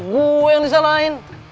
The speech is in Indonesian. gue yang disalahin